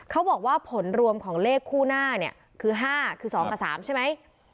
เขาบอกว่าผลรวมของเลขคู่หน้าเนี่ยคือ๕คือ๒กับ๓ใช่ไหม